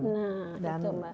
nah betul mbak